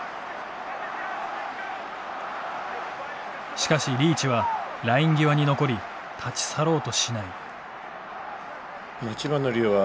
しかしリーチはライン際に残り立ち去ろうとしない。